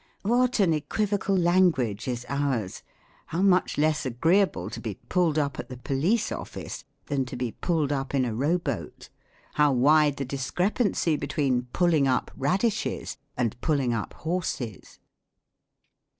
What an equivocal language is ours ! How much k^s ETYMOLOGY. 57 agreeable to be " pulled up" at the Police office than to be " pulled up" in a row boat ! how wide the discre pancy between " pulling up" radishes and " pulling up" horses